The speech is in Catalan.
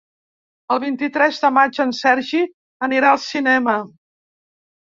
El vint-i-tres de maig en Sergi anirà al cinema.